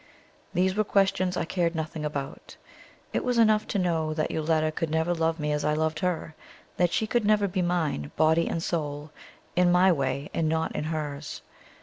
These were questions I cared nothing about. It was enough to know that Yoletta could never love me as I loved her that she could never be mine, body and soul, in my way and not in hers.